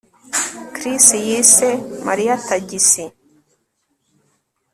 Chris yise Mariya tagisi